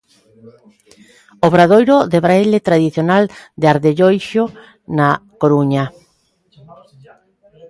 Obradoiro de baile tradicional de Ardelloeixo na Coruña.